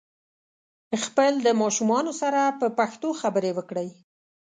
خپل د ماشومانو سره په پښتو خبري وکړئ